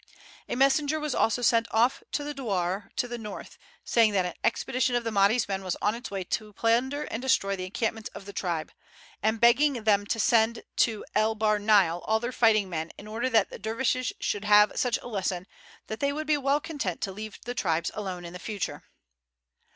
A messenger was also sent off to the douar to the north saying that an expedition of the Mahdi's men was on its way out to plunder and destroy the encampments of the tribe, and begging them to send to El Bahr Nile all their fighting men in order that the dervishes should have such a lesson that they would be well content to leave the tribes alone in future.